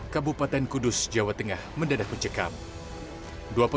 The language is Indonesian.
hirosomangas spesial kemerdekaan berikut ini